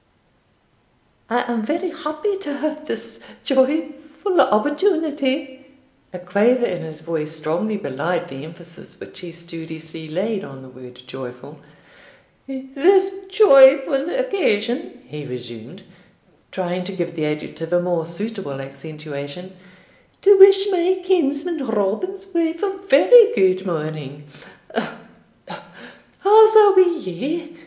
I am very happy to have this joyful opportunity" (a quaver in his voice strongly belied the emphasis which he studiously laid on the word joyful) "this joyful occasion," he resumed, trying to give the adjective a more suitable accentuation, "to wish my kinsman Robin's wife a very good morning Uh! uh! How's a' wi' ye?"